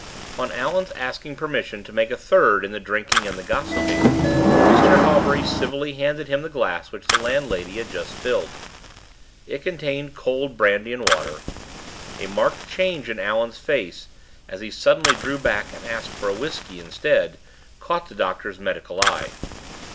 On Allan's asking permission to make a third in the drinking and the gossiping, Mr. Hawbury civilly handed him the glass which the landlady had just filled. It contained cold brandy and water. A marked change in Allan's face, as he suddenly drew back and asked for whisky instead, caught the doctor's medical eye.